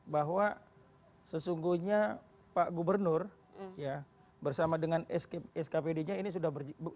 bahwa sesungguhnya pak gubernur bersama dengan skpd nya ini sudah berjalan